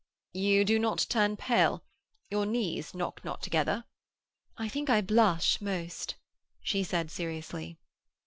'You do not turn pale? Your knees knock not together?' 'I think I blush most,' she said seriously.